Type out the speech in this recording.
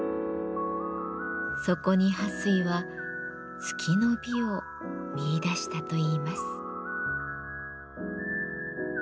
そこに巴水は月の美を見いだしたといいます。